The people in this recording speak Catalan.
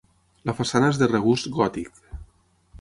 La façana és de regust gòtic.